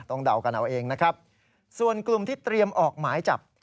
เดากันเอาเองนะครับส่วนกลุ่มที่เตรียมออกหมายจับ